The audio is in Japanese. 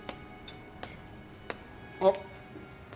あっ。